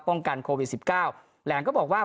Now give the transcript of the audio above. ป้องกันโควิด๑๙แหลมก็บอกว่า